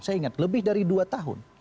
saya ingat lebih dari dua tahun